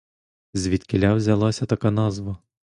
Звідкіля взялася така назва?